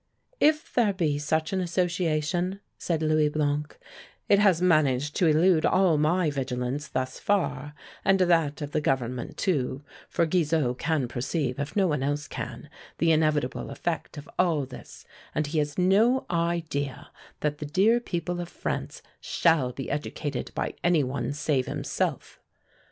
"If there be such an association," said Louis Blanc, "it has managed to elude all my vigilance thus far, and that of the Government, too, for Guizot can perceive, if no one else can, the inevitable effect of all this, and he has no idea that the dear people of France shall be educated by any one save himself.